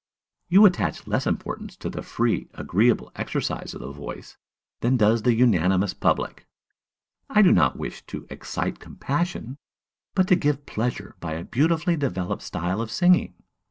You attach less importance to the free, agreeable exercise of the voice than does the unanimous public. I do not wish to excite compassion, but to give pleasure by a beautifully developed style of singing.